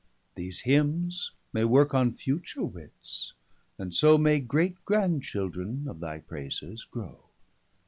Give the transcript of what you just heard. These Hymnes may worke on future wits, and so May great Grand children of thy prayses grow.